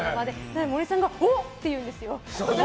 森さんがおっ！って言うんですよ。